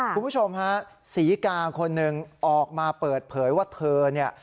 คุณผู้ชมฮะศรีกาคนหนึ่งออกมาเปิดเผยว่าเธอเนี่ย